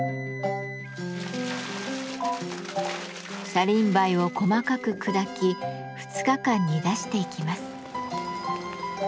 車輪梅を細かく砕き２日間煮出していきます。